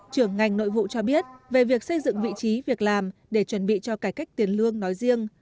trưởng ngành nội vụ cho biết về việc xây dựng vị trí việc làm để chuẩn bị cho cải cách tiền lương nói riêng